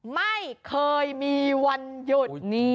ไม่เคยมีวันหยุดนี้